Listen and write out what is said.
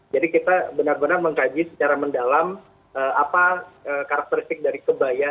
jadi kita benar benar mengkaji secara mendalam apa karakteristik dari kebaya